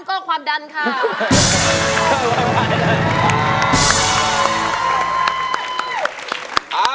ก็ความดันค่ะ